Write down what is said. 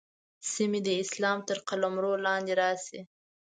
سیمې د اسلام تر قلمرو لاندې راشي.